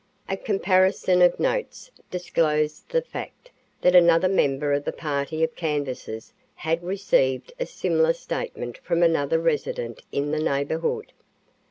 A comparison of notes disclosed the fact that another member of the party of canvassers had received a similar statement from another resident in the neighborhood.